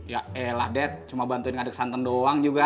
ya elah dad cuma bantuin ngaduk santan doang juga